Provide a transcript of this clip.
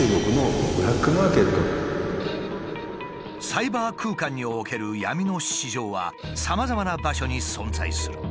サイバー空間における闇の市場はさまざまな場所に存在する。